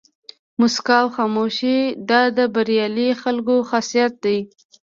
موسکا او خاموشي دا د بریالي خلکو خاصیت دی.